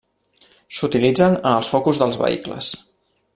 S’utilitzen en els focus dels vehicles.